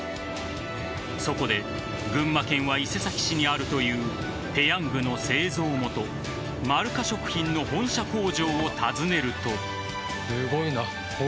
そこで群馬県は伊勢崎市にあるというペヤングの製造元まるか食品の本社工場を訪ねると。